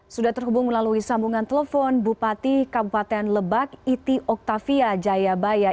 sudah terhubung melalui sambungan telepon bupati kabupaten lebak iti oktavia jayabaya